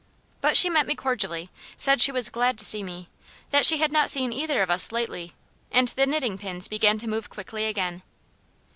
But she met me cordially said she was glad to see me that she had not seen either of us lately; and the knitting pins began to move quickly again.